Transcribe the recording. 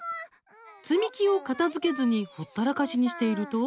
積み木を片づけずにほったらかしにしていると。